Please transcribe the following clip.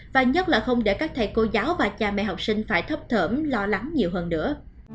và nhất là không để các thầy cô giáo và cha mẹ học sinh phải thấp thỏm lo lắng nhiều hơn nữa